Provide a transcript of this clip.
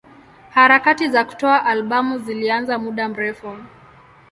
Harakati za kutoa albamu zilianza muda mrefu.